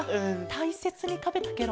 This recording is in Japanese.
たいせつにたべたケロ？